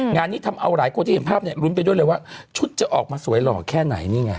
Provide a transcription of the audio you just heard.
งานนี้ทำเอาหลายคนที่เห็นภาพเนี่ยรุ้นไปด้วยเลยว่าชุดจะออกมาสวยหล่อแค่ไหนนี่ไง